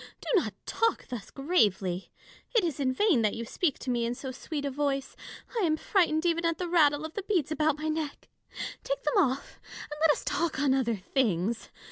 Do not talk thus gravely. It is in vain that you speak to me in so sweet a voice. I am frightened even at the rattle of the beads about my neck : take them off, and let us talk on other things.